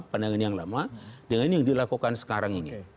pandangan yang lama dengan yang dilakukan sekarang ini